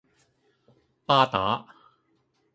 巴打